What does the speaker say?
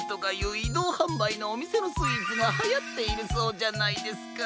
いどうはんばいのおみせのスイーツがはやっているそうじゃないですか。